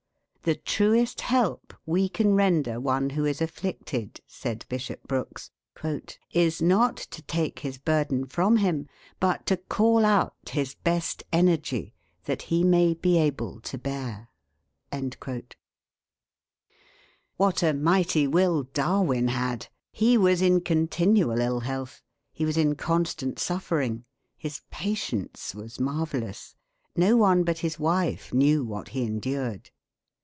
"The truest help we can render one who is afflicted," said Bishop Brooks, "is not to take his burden from him, but to call out his best energy, that he may be able to bear." What a mighty will Darwin had! He was in continual ill health. He was in constant suffering. His patience was marvellous. No one but his wife knew what he endured.